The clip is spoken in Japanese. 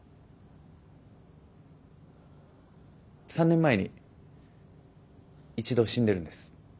３年前に一度死んでるんです。